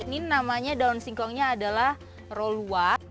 ini namanya daun singkongnya adalah roolua